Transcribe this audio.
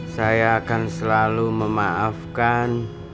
saya akan selalu memaafkan